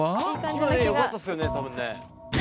今ねよかったっすよね多分ね。